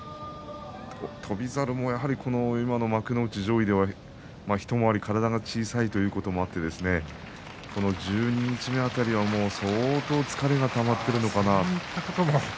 翔猿も今の幕内上位では一回り体が小さいってこともあって十二日目辺りは相当疲れがたまっていたのかなと思います。